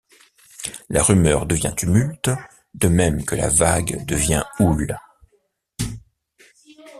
La rumeur devient tumulte, de même que la vague devient houle.